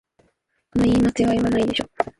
その言い間違いはないでしょ